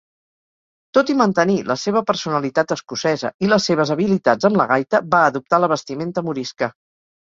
Tot i mantenir la seva personalitat escocesa i les seves habilitats amb la gaita, va adoptar la vestimenta morisca.